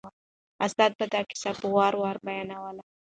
استاد به دا کیسه په وار وار بیانوله.